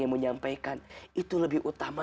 yang menyampaikan itu lebih utama